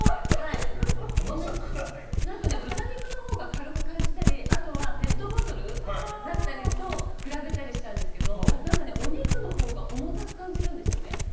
豚肉のほうが軽く感じたりあとはペットボトルだったりと比べたりしたんですけどお肉のほうが重たく感じるんですよね。